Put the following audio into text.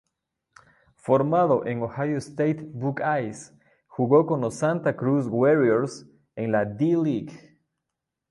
Formado en Ohio State Buckeyes, jugó con los Santa Cruz Warriors en la D-League.